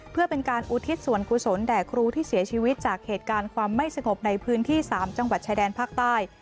เพื่อเป็นการอุทิศส่วนกุศลแด่ครูที่เสียชีวิตจากเหตุการณ์ความไม่สงบในพื้นที่๓จังหวัดชายแดนภาคใต้